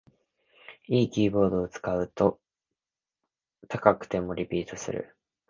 良いキーボードを使うと高くてもリピートする